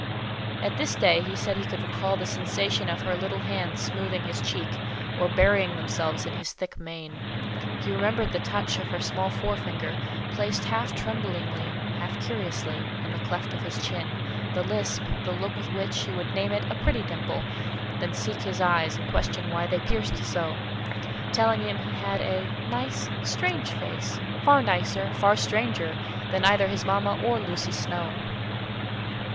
At this day he said he could recall the sensation of her little hands smoothing his cheek, or burying themselves in his thick mane. He remembered the touch of her small forefinger, placed half tremblingly, half curiously, in the cleft in his chin, the lisp, the look with which she would name it "a pretty dimple," then seek his eyes and question why they pierced so, telling him he had a "nice, strange face; far nicer, far stranger, than either his mamma or Lucy Snowe."